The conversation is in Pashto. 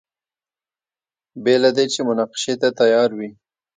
بې له دې چې مناقشې ته تیار وي.